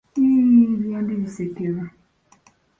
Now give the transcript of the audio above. Yiiii byembi bisekerwa!